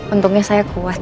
untungnya saya kuat